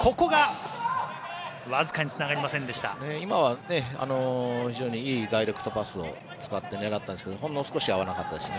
今は非常にいいダイレクトパスを使ったんですけどほんの少し合わなかったですね。